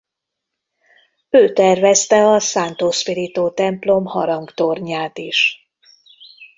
Ő tervezte a Santo Spirito-templom harangtornyát is.